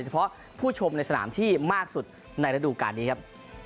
เฉพาะผู้ชมในสนามที่มากสุดในระดูการนี้ครับ